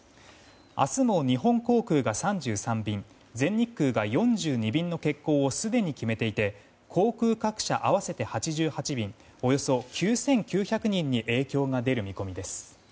明日も日本航空が３３便全日空が４２便の欠航をすでに決めていて航空各社合わせて８８便およそ９９００人に影響が出る見込みです。